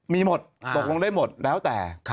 มีหมดตกลงได้หมดแล้วแต่